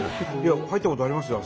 入ったことありますよ。